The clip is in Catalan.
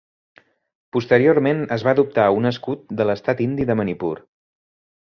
Posteriorment es va adoptar un escut de l'estat indi de Manipur.